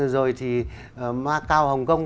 rồi thì macau hong kong